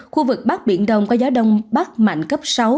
khu vực bắc biển đông có gió đông bắc mạnh cấp sáu